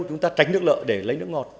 chúng ta tránh nước lợi để lấy nước ngọt